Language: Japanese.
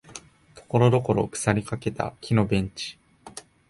ところどころ腐りかけた木のベンチ